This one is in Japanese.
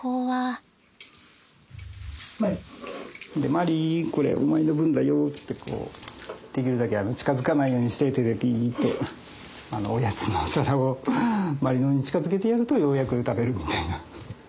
まりこれお前の分だよってできるだけ近づかないようにして手でびっとおやつのお皿をまりの方に近づけてやるとようやく食べるみたいな。